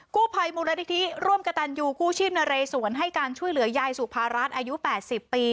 กู้ภัยมูลนิธิร่วมกระตันยูกู้ชีพนเรสวนให้การช่วยเหลือยายสุภารัฐอายุ๘๐ปี